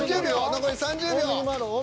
残り３０秒。